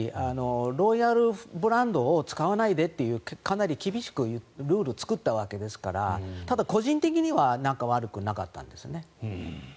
ロイヤルブランドを使わないでとかなり厳しくルールを作ったわけですからただ、個人的には仲が悪くなかったんですね。